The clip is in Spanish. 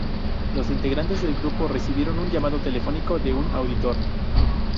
Los integrantes del grupo recibieron un llamado telefónico de un auditor.